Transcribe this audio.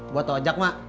buat lo ajak emak